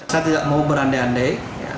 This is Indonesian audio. saya tidak mau berandai andai